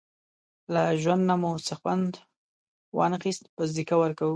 له ژوند نه مو څه وخوند وانخیست، بس دیکه ورکوو.